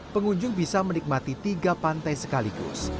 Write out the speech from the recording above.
pengunjung bisa menikmati tiga pantai sekaligus